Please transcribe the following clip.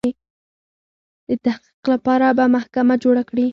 د تحقیق لپاره به محکمه جوړه کړي.